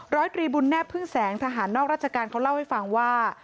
ร้อยตรีบุญแนบพึ่งแสงทหารนอกราชการเขาเล่าให้ฟังว่า